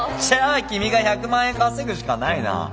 じゃあ君が１００万円稼ぐしかないな。